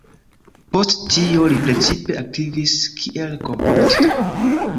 Post tio li precipe aktivis kiel komponisto.